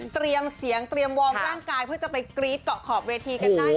เสียงเตรียมวอร์มร่างกายเพื่อจะไปกรี๊ดเกาะขอบเวทีกันได้